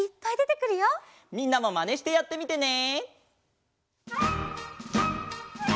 みんなもマネしてやってみてね！